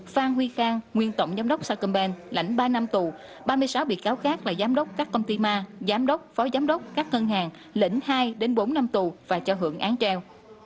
phan huy khang nguyên tổng giám đốc sacombank lãnh ba năm tù ba mươi sáu bị cáo khác là giám đốc các công ty ma giám đốc phó giám đốc các ngân hàng lĩnh hai bốn năm tù và cho hưởng án treo